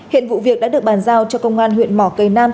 hiện vụ việc đã được bàn giao cho công an huyện mỏ cây nam